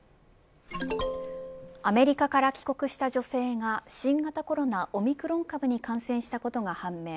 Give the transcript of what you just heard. アメリカから帰国した女性が新型コロナ、オミクロン株に感染したことが判明。